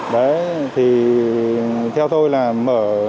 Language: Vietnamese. đấy thì theo tôi là mở